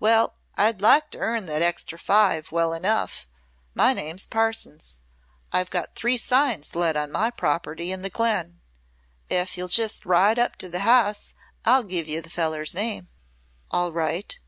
"Well, I'd like to earn that extra five, well enough. My name's Parsons. I've got three signs let on my property in the glen. Ef ye'll jest ride up t' the house I'll giv' ye the feller's name." "All right.